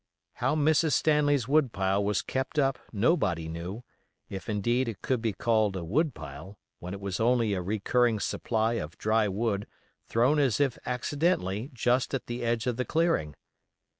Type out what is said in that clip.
How Mrs. Stanley's wood pile was kept up nobody knew, if, indeed, it could be called a wood pile, when it was only a recurring supply of dry wood thrown as if accidentally just at the edge of the clearing.